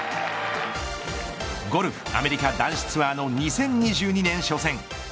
ゴルフ、アメリカ男子ツアーの２０２２年初戦。